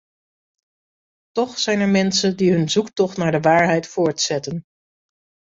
Toch zijn er mensen die hun zoektocht naar de waarheid voortzetten.